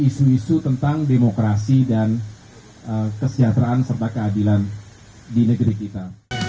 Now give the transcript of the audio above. isu isu tentang demokrasi dan kesejahteraan serta keadilan di negeri kita